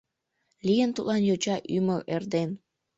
Лийын тудлан йоча ӱмыр эрден.